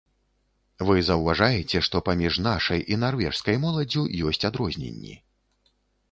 Вы заўважаеце, што паміж нашай і нарвежскай моладдзю ёсць адрозненні.